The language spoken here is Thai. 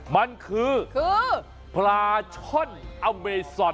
มันคือปลาช่อนอเมซอน